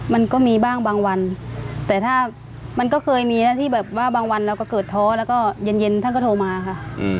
มันก็มีบ้างบางวันแต่ถ้ามันก็เคยมีนะที่แบบว่าบางวันเราก็เกิดท้อแล้วก็เย็นท่านก็โทรมาค่ะ